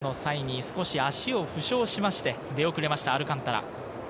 ２月のキャンプの際に少し足を負傷しまして出遅れましたアルカンタラ。